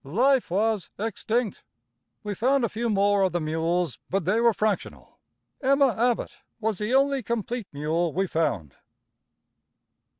"Life was extinct. "We found a few more of the mules, but they were fractional. "Emma Abbott was the only complete mule we found."